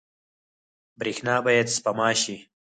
برښنا باید سپما شي